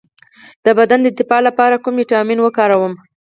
د بدن د دفاع لپاره کوم ویټامین وکاروم؟